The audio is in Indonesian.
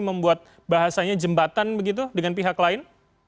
membuat bahasanya jembatan begitu dengan pihak lain